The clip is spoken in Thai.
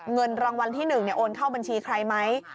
เงินรางวัลที่หนึ่งเนี่ยโอนเข้าบัญชีใครไหม